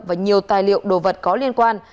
và nhiều tài liệu đồ vật có liên quan